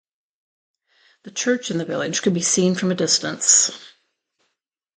The church in the village could be seen from a distance.